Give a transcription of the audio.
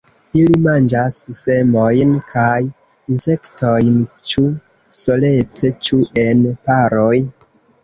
Ili manĝas semojn kaj insektojn ĉu solece ĉu en paroj.